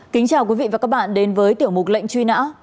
kính chào quý vị và các bạn đến với tiểu mục lệnh truy nã